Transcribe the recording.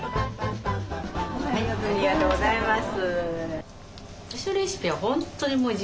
ありがとうございます。